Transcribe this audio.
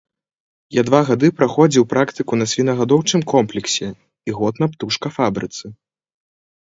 Я два гады праходзіў практыку на свінагадоўчым комплексе і год на птушкафабрыцы.